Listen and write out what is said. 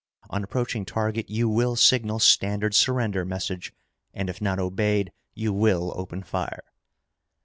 On approaching target you will signal standard surrender message, and if not obeyed, you will open fire!"